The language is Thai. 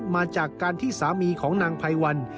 มาจากการที่สามีของนางไพวัน